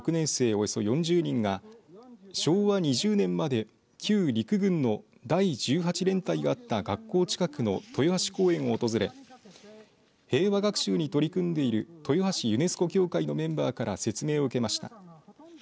およそ４０人が昭和２０年まで旧陸軍の第１８連隊があった学校近くの豊橋公園を訪れ平和学習に取り組んでいる豊橋ユネスコ協会のメンバーから説明を受けました。